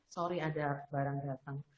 maaf ada barang datang